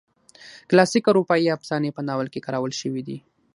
کلاسیکي اروپایي افسانې په ناول کې کارول شوي دي.